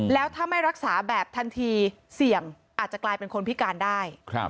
แล้วถ้าไม่รักษาแบบทันทีเสี่ยงอาจจะกลายเป็นคนพิการได้